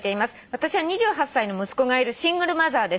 「私は２８歳の息子がいるシングルマザーです」